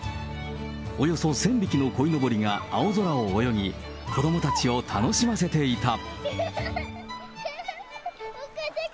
およそ１０００匹のこいのぼりが青空を泳ぎ、子どもたちを楽しませていた。